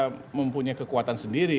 kalau kita tidak memiliki kekuatan sendiri